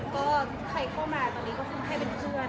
ก็ใครเข้ามาตอนนี้ก็เพิ่งให้เป็นเพื่อน